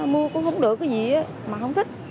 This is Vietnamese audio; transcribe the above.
mua cũng không được cái gì mà không thích